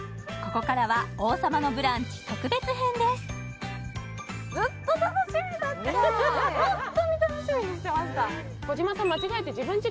ここからは「王様のブランチ」特別編です児嶋さん